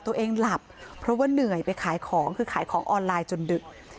ตัวเองหลับเพราะว่าเหนื่อยไปขายของคือขายของออนไลน์จนดึก